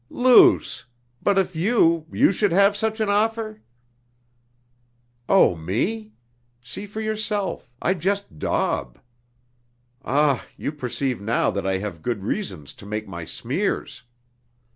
"Luce! but if you, you should have such an offer?..." "Oh, me? You see yourself, I just daub. Ah! You perceive now that I have good reason to make my smears!"